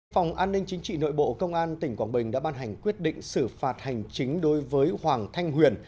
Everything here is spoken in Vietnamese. phòng an ninh chính trị nội bộ công an tỉnh quảng bình đã ban hành quyết định xử phạt hành chính đối với hoàng thanh huyền